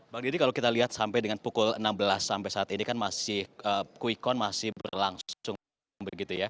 bang didi kalau kita lihat sampai dengan pukul enam belas sampai saat ini kan masih quick count masih berlangsung begitu ya